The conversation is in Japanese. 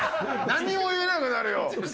何も言えなくなるよ。